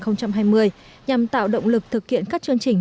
nhằm tạo động lực thực hiện các chương trình